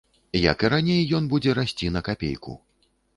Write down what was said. Як і раней, ён будзе расці на капейку.